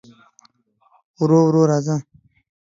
ورو ورو راځه